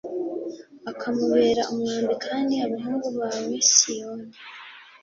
akamubera umwambi kandi abahungu bawe Siyoni